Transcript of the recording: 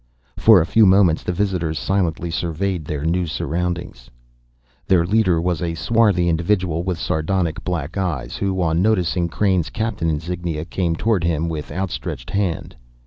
For a few moments the visitors silently surveyed their new surroundings. Their leader was a swarthy individual with sardonic black eyes who, on noticing Crain's captain insignia, came toward him with outstretched hand.